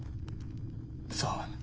さあ？